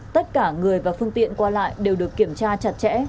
tất cả người và phương tiện qua lại đều được kiểm tra chặt chẽ